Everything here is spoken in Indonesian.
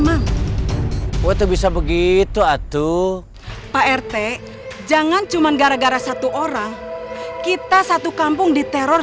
mah waktu bisa begitu atu pak rt jangan cuman gara gara satu orang kita satu kampung diteror